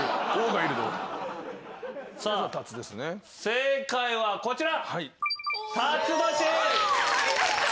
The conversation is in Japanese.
正解はこちら。